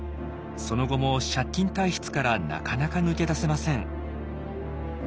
その後も借金体質からなかなか抜け出せません。